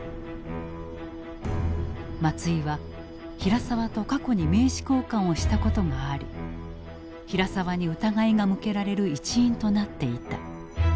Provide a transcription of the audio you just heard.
松井は平沢と過去に名刺交換をしたことがあり平沢に疑いが向けられる一因となっていた。